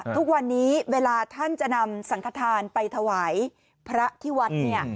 ทุกวันนี้เวลาท่านจะนำสังขทานไปถวายพระที่วัดเนี่ย